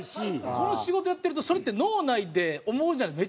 この仕事やってるとそれって脳内で思うめっちゃ出てきません？